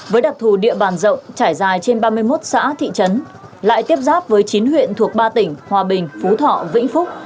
với đặc thù địa bàn rộng trải dài trên ba mươi một xã thị trấn lại tiếp giáp với chín huyện thuộc ba tỉnh hòa bình phú thọ vĩnh phúc